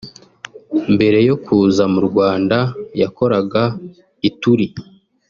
Mbere yo kuza mu Rwanda yakoraga Ituri